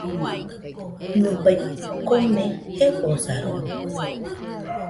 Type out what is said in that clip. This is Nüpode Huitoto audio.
Nɨbai kome jefosaroma.